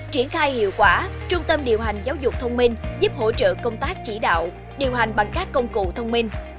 triển khai hiệu quả trung tâm điều hành giáo dục thông minh giúp hỗ trợ công tác chỉ đạo điều hành bằng các công cụ thông minh